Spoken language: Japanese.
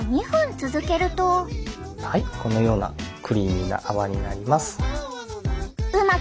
はいこのようなクリーミーな泡になります。